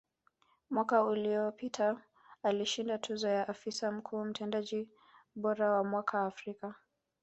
Mwaka uliopita alishinda tuzo ya Afisa Mkuu Mtendaji bora wa Mwaka Afrika